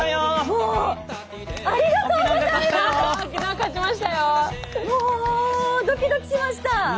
もうドキドキしました。